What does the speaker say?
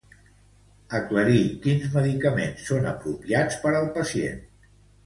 Aclarir quins medicaments són apropiats per al pacient.